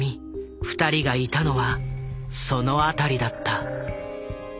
２人がいたのはその辺りだった。